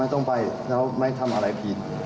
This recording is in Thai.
ต้องไปแล้วไม่ทำอะไรผิด